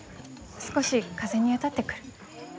少し風に当たってくる。